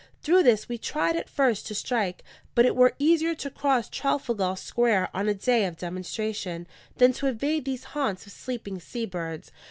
Through this we tried at first to strike; but it were easier to cross Trafalgar Square on a day of demonstration than to invade these haunts of sleeping sea birds.